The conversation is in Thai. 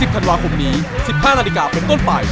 ธันวาคมนี้๑๕นาฬิกาเป็นต้นไป